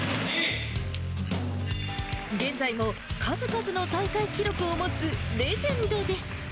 現在も数々の大会記録を持つレジェンドです。